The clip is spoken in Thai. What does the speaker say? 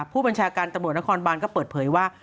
ผู้บัญชาการตำรวจนครบานก็เปิดเผยว่า